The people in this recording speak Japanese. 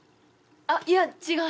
あっいや違う。